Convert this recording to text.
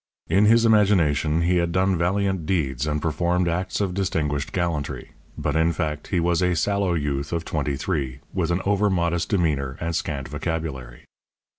In his imagination he had done valiant deeds and performed acts of distinguished gallantry; but in fact he was a sallow youth of twenty three, with an over modest demeanour and scant vocabulary.